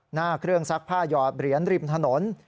หน้าเครื่องซักผ้าหยอดเหรียญริมถนน